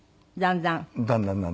だんだん。